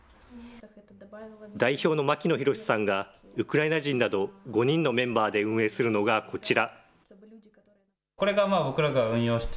代表の牧野寛さんがウクライナ人など５人のメンバーで運営するのが、こちら。